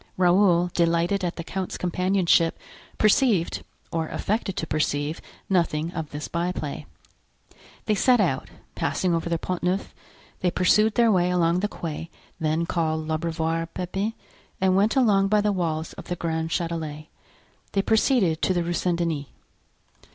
Raoul, delighted at the count's companionship, perceived, or affected to perceive nothing of this byplay. They set out, passing over the Pont Neuf; they pursued their way along the quay then called L'Abreuvoir Pepin, and went along by the walls of the Grand Chatelet. They proceeded to the Rue Saint Denis.